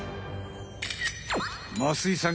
増井さん